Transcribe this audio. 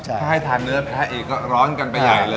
ถ้าให้ทานเนื้อแพ้เองก็ร้อนกันไปใหญ่เลย